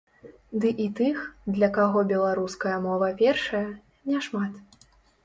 Ды і тых, для каго беларуская мова першая, няшмат.